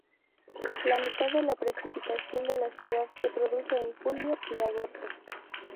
La mitad de la precipitación de la ciudad se produce en julio y agosto.